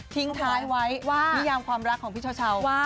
ทิ้งท้ายไว้ว่านิยามความรักของพี่เช้า